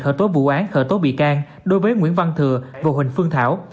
khởi tố vụ án khởi tố bị can đối với nguyễn văn thừa và huỳnh phương thảo